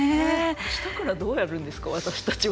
あしたからどうなるんですか、私たちは。